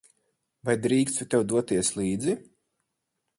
Vai drīkstu tev doties līdzi?